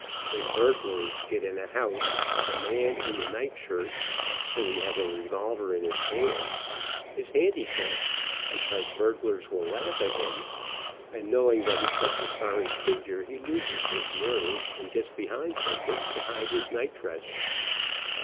When burglars get in a house, the man in the night shirt, though he have a. revolver in his hand, is handicapped, because burglars will laugh at him, and knowing that he cuts a sorry figure, he loses his nerve, and gets behind something to hide his night dress.